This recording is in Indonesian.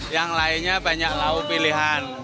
yang lainnya banyak lauk pilihan